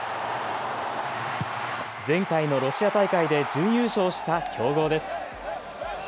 前回のロシア大会で準優勝した強豪です。